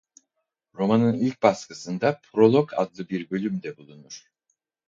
Romanın ilk baskısında "Prolog" adlı bir bölüm de bulunur.